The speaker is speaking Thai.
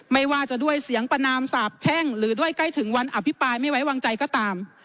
ไม่ว่าจะด้วยเสียงประนามสาบแช่งหรือด้วยใกล้ถึงวันอภิปรายไม่ไว้วางใจก็ตาม